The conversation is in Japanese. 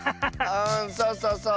うんそうそうそう。